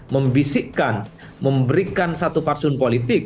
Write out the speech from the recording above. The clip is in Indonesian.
membisikkan memberikan satu faksun politik